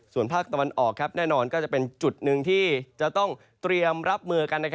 ส่วนภาคตะวันออกแน่นอนก็จะเป็นจุดหนึ่งที่จะต้องเตรียมรับมือกัน